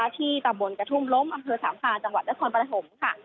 ที่ตะบนกระทุ่มล้มอำเภอสามคาจังหวัดด้านควรประถม